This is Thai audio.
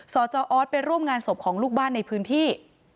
จออสไปร่วมงานศพของลูกบ้านในพื้นที่